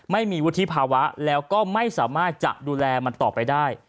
ไม่มีวุฒิภาวะแล้วก็ไม่สามารถจะดูแลมันต่อไปได้